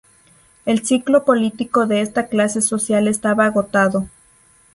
El ciclo político de esta clase social estaba agotado.